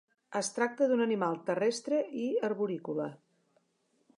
Es tracta d'un animal terrestre i arborícola.